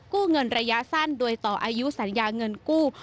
เงินระยะสั้นโดยต่ออายุสัญญาเงินกู้